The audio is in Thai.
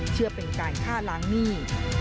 เชื่อเป็นการฆ่าล้างหนี้